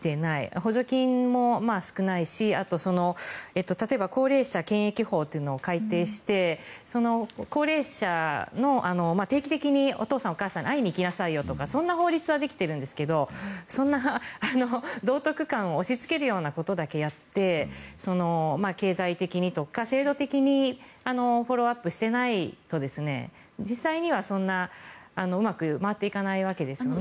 補助金も少ないし例えば、高齢者権益法というのを改定して、その高齢者の定期的にお父さん、お母さんに会いに行きなさいよとかそんな法律はできているんですが道徳観を押しつけるようなことだけやって経済的にとか制度的にフォローアップしていないと実際にはそんなにうまく回っていかないわけですね。